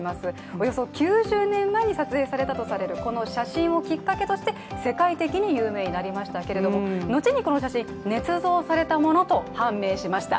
およそ９０年前に撮影されたとされるこの写真をきっかけにして世界的に有名になりましたけれども後にこの写真、ねつ造されたものと判明しました。